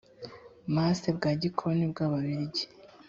masse bwa gikoroni bw ababirigi